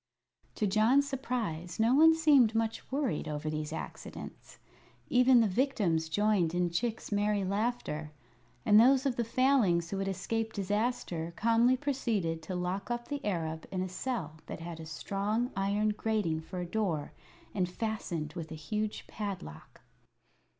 To John's surprise no one seemed much worried over these accidents. Even the victims joined in Chick's merry laughter, and those of the Failings who had escaped disaster calmly proceeded to lock up the Arab in a cell that had a strong iron grating for a door, and fastened with a huge padlock.